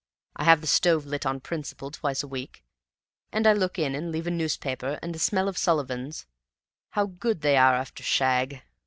I have the stove lit on principle twice a week, and look in and leave a newspaper and a smell of Sullivans how good they are after shag!